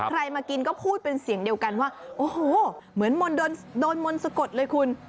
มากินก็พูดเป็นเสียงเดียวกันว่าโอ้โหเหมือนโดนมนต์สะกดเลยคุณ